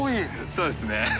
そうですね